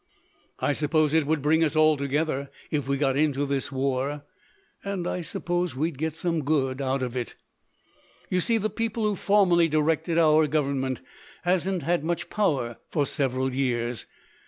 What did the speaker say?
"I suppose it would bring us all together, if we got into this war, and I suppose we'd get some good out of it. "You see, the people who formerly directed our Government haven't had much power for several years.